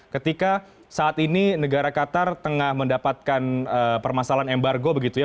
ketika saat ini negara qatar tengah mendapatkan permasalahan embargo begitu ya